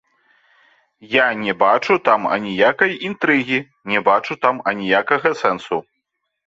Я не бачу там аніякай інтрыгі, не бачу там аніякага сэнсу.